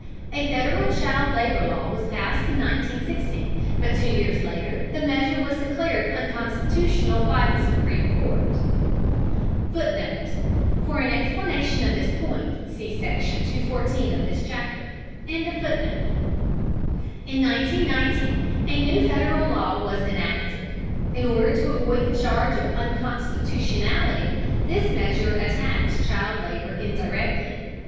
A Federal child labor law was passed in 1916, but two years later the measure was declared unconstitutional by the Supreme Court. [Footnote: For an explanation of this point, see Section 214 of this chapter.] In 1919 a new Federal law was enacted. In order to avoid the charge of unconstitutionality, this measure attacks child labor indirectly.